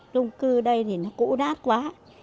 trung cư đây thì nó cũ đát quá